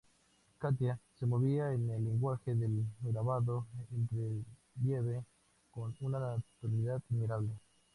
Katia se movía en el lenguaje del grabado en relieve con una naturalidad admirable.